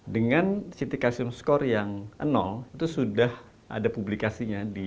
dengan ct calcium score yang itu sudah ada publikasinya di